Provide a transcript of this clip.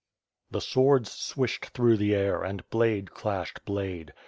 The swords swished through the air and blade clashed blade.